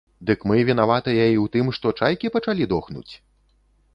Дык мы вінаватыя і ў тым, што чайкі пачалі дохнуць?